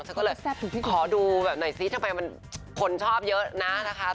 ฉันก็เลยขอดูแบบหน่อยสิทำไมมันคนชอบเยอะนะนะคะไม่แซ่บถูก